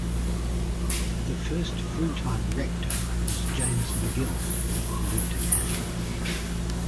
The first full-time rector was James Magill, who lived at Athol.